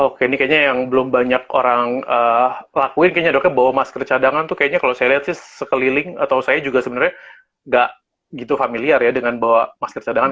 oke ini kayaknya yang belum banyak orang lakuin kayaknya dok ya bawa masker cadangan tuh kayaknya kalau saya lihat sih sekeliling atau saya juga sebenarnya gak gitu familiar ya dengan bawa masker cadangan